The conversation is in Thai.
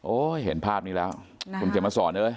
เห็นภาพนี้แล้วคุณเขียนมาสอนเอ้ย